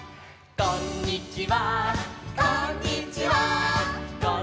「こんにちは」